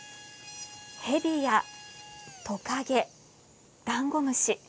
ヘビやトカゲ、ダンゴムシ。